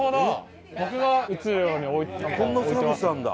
こんなサービスあるんだ。